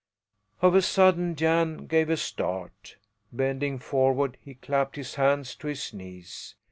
Of a sudden Jan gave a start. Bending forward he clapped his hands to his knees.